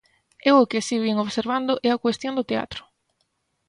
Eu o que si vin observando é a cuestión do teatro.